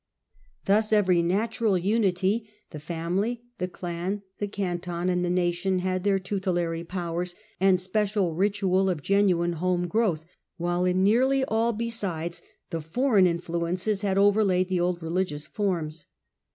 Thus every natural unity, the family, the clan, the canton, and the nation, had their tutelary powers and special ritual of genuine home growth, while in nearly all besides the foreign influences had overlaid the old religious forms.